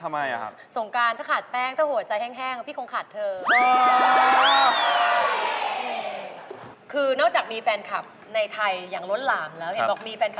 มีเงิน๕๐๐๐บาทกลับบ้านไปค่ะ